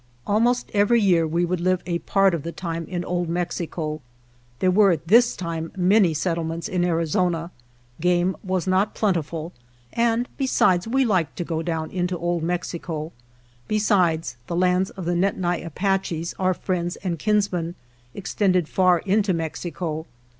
Almost every year we would live a part^ of the time in Old Mexico. There were at this time many settlements in Arizona; game was not plentiful, and besides we liked | to go down into Old Mexico. Besides, the J lands of the Nedni Apaches, our friends and kinsmen, extended far into Mexico.